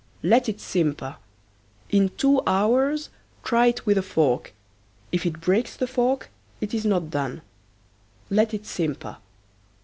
Let it simper. In two hours try it with a fork. If it breaks the fork it is not done. Let it simper.